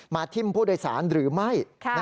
ทิ้มผู้โดยสารหรือไม่